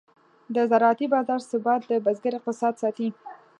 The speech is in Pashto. د زراعتي بازار ثبات د بزګر اقتصاد ساتي.